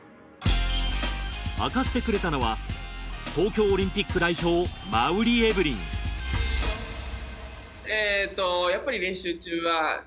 明かしてくれたのは東京オリンピック代表馬瓜エブリンえっと